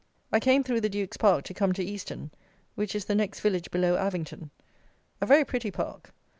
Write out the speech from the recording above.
I came through the Duke's Park to come to Easton, which is the next village below Avington. A very pretty park.